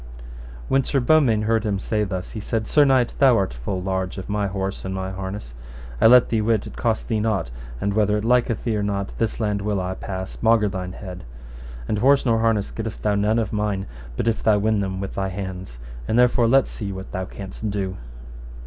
When Sir Beaumains heard him say thus, he said, Sir knight, thou art full large of my horse and my harness; I let thee wit it cost thee nought, and whether it liketh thee or not, this laund will I pass maugre thine head. And horse nor harness gettest thou none of mine, but if thou win them with thy hands; and therefore let see what thou canst do.